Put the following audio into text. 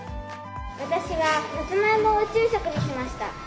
私はさつまいもを宇宙食にしました。